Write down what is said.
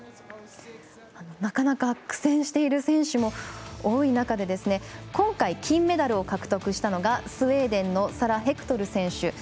なかなか苦戦している選手も多い中で今回、金メダルを獲得したのがスウェーデンのサラ・ヘクトル選手。